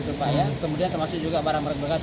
kemudian termasuk juga barang berharga